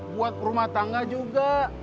buat rumah tangga juga